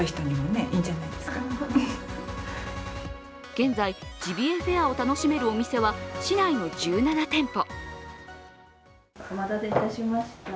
現在、ジビエフェアを楽しめるお店は市内の１７店舗。